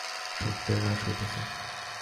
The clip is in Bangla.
সত্যের হ্রাস হইতেছে।